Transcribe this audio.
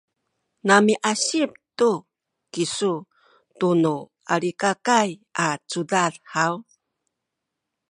namiasip tu kisu tunu Alikakay a cudad haw?